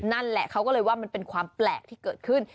นั่นแหละเขาก็เลยว่ามันเป็นความแปลกที่เกิดขึ้น